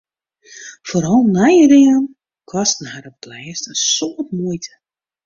Foaral nije dingen kosten har op 't lêst in soad muoite.